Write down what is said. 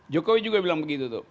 jokowi juga bilang begitu